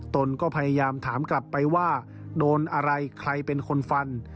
ตนก็พยายามถามกลับไปว่าโดนอะไรใครเป็นคนฟัน